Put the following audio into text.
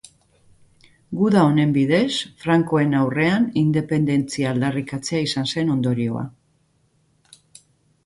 Guda honen bidez frankoen aurrean independentzia aldarrikatzea izan zen ondorioa.